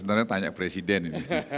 sebenarnya tanya presiden ini